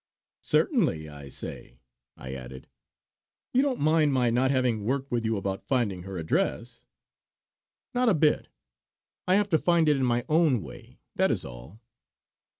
"Certainly! I say," I added, "you don't mind my not having worked with you about finding her address." "Not a bit! I have to find it in my own way; that is all!"